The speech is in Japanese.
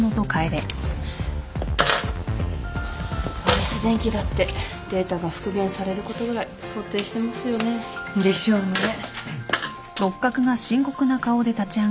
アレス電機だってデータが復元されることぐらい想定してますよね。でしょうね。